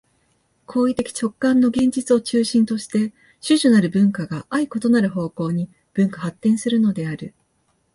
行為的直観の現実を中心として種々なる文化が相異なる方向に分化発展するのである。